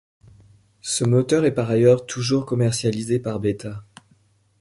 Ce moteur est par ailleurs toujours commercialisé par Beta.